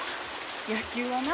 野球はな